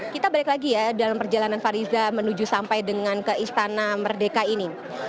kita balik lagi ya dalam perjalanan fariza menuju sampai dengan ke istana merdeka ini